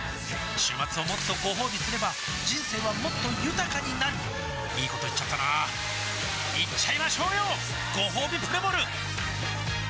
週末をもっとごほうびすれば人生はもっと豊かになるいいこと言っちゃったなーいっちゃいましょうよごほうびプレモル